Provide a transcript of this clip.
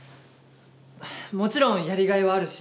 もちろんやりがいはあるし